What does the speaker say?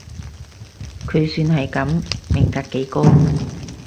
佢算係噉，命格幾高